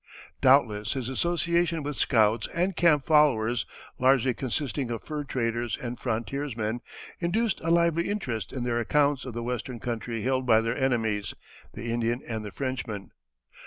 Doubtless his association with scouts and camp followers, largely consisting of fur traders and frontiersmen, induced a lively interest in their accounts of the western country held by their enemies, the Indian and the Frenchman.